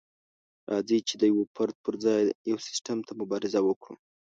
راځئ چې د يوه فرد پر ځای يو سيستم ته مبارزه وکړو.